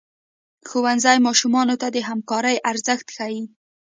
ښوونځی ماشومانو ته د همکارۍ ارزښت ښيي.